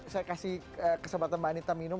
saya kasih kesempatan mbak anita minum